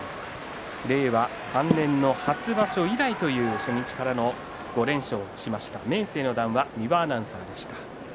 令和３年の初場所以来という初日からの５連勝としました明生の談話でした。